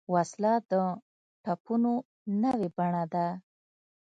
وسله د ټپونو نوې بڼه ده